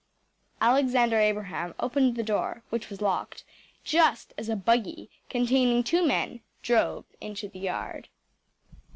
Alexander Abraham opened the door which was locked just as a buggy containing two men drove into the yard.